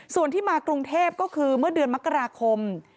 ส่วนที่มากรุงเทพก็คือเมื่อเดือนมกราคม